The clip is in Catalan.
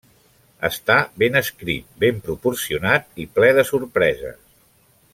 Està ben escrit, ben proporcionat, i ple de sorpreses.